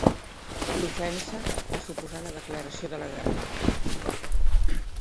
L'ofensa va suposar la declaració de la guerra.